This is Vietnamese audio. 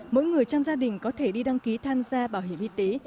mỗi người trong gia đình có thể đi đăng ký tham gia bảo hiểm y tế